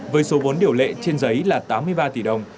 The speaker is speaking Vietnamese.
với số vốn điều lệ trên giấy là tám mươi ba tỷ đồng